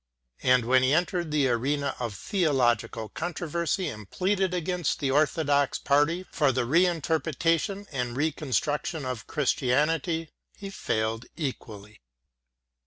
And when he entered the arena of theological controversy and pleaded against the Orthodox party for the re interpretation and reconstruction of Christianity he failed equally.